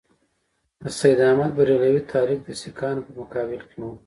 د سید احمدبرېلوي تحریک د سیکهانو په مقابل کې وو.